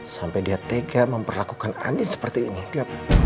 sampai dia tega memperlakukan andin seperti ini